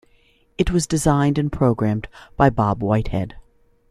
It was designed and programmed by Bob Whitehead.